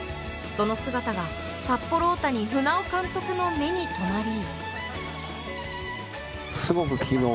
その姿が札幌大谷・船尾監督の目に留まり